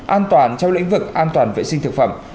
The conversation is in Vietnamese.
an toàn trong lĩnh vực an toàn vệ sinh thực phẩm